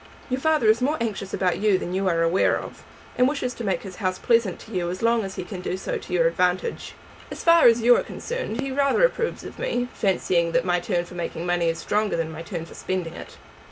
Your father is more anxious about you than you are aware of, and wishes to make his house pleasant to you as long as he can do so to your advantage. As far as you are concerned he rather approves of me, fancying that my turn for making money is stronger than my turn for spending it.